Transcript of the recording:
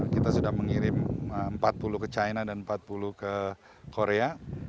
kita sudah mengirim empat puluh ke china dan empat puluh ke korea